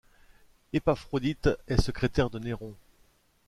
Épaphrodite est secrétaire de Néron.